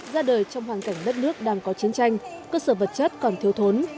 ra đời trong hoàn cảnh đất nước đang có chiến tranh cơ sở vật chất còn thiếu thốn